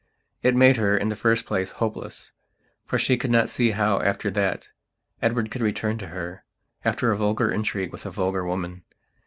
It made her, in the first place, hopelessfor she could not see how, after that, Edward could return to herafter a vulgar intrigue with a vulgar woman.